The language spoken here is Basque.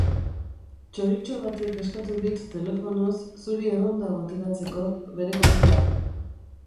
Txoritxo batek eskatu dit telefonoz zuri erronda hau ateratzeko, bere kontura.